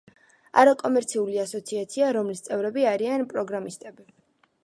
არაკომერციული ასოციაცია, რომლის წევრები არიან პროგრამისტები.